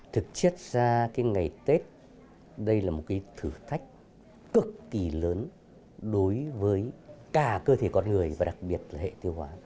thực chất ra cái ngày tết đây là một cái thử thách cực kỳ lớn đối với cả cơ thể con người và đặc biệt là hệ tiêu hóa